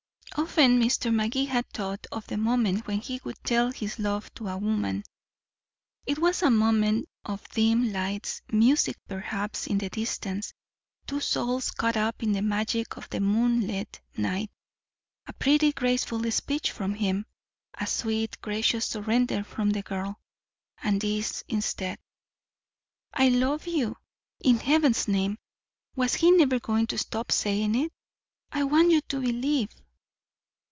Often Mr. Magee had thought of the moment when he would tell his love to a woman. It was a moment of dim lights, music perhaps in the distance, two souls caught up in the magic of the moonlit night a pretty graceful speech from him, a sweet gracious surrender from the girl. And this instead. "I love you." In heaven's name, was he never going to stop saying it? "I want you to believe."